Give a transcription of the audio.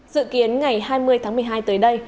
dự kiến ngày hai mươi tháng một mươi hai tới đây